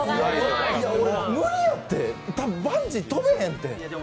俺無理やってバンジー飛べへんって。